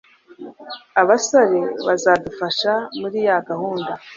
abasore bazadufasha muri ya gahunda